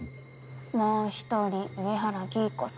もう１人上原黄以子さん。